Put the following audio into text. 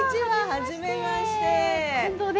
はじめまして！